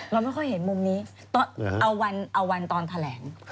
เราไม่ค่อยเห็นมุมนี้เอาวันตอนแถลง